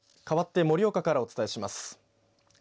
かわって盛岡からお伝えします。